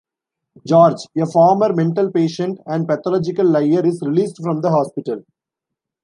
George, a former mental patient and pathological liar, is released from the hospital.